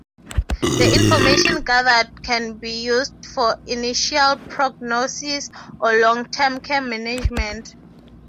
The information gathered can be used for initial prognosis or long-term care management.